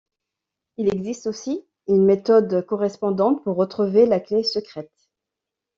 Il existe aussi une méthode correspondante pour retrouver la clé secrète.